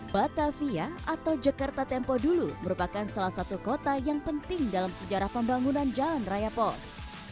batavia atau jakarta tempo dulu merupakan salah satu kota yang penting dalam sejarah pembangunan jalan raya pos